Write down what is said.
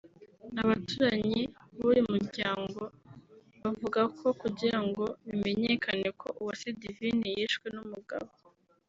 Abaturanyi b’ uyu muryango bavuga ko kugira ngo bimenyekane ko Uwase Divine yishwe n’ umugabo